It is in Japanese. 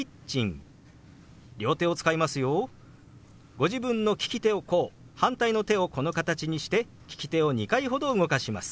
ご自分の利き手をこう反対の手をこの形にして利き手を２回ほど動かします。